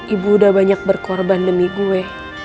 ibu udah banyak berkorban demi gue